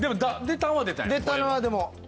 出たのはでも。